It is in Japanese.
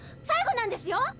最期なんですよ！